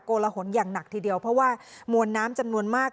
ลหนอย่างหนักทีเดียวเพราะว่ามวลน้ำจำนวนมาก